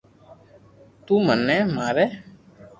تو مني ماري